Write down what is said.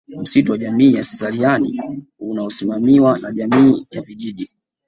Msitu wa Jamii wa Sariani unaosimamiwa na jamii ya vijiji